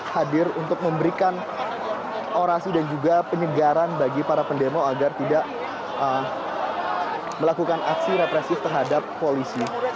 hadir untuk memberikan orasi dan juga penyegaran bagi para pendemo agar tidak melakukan aksi represif terhadap polisi